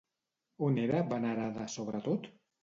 On era venerada sobretot?